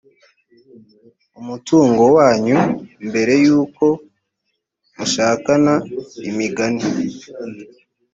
umutungo wanyu mbere y uko mushakana imigani